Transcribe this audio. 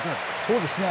そうですね。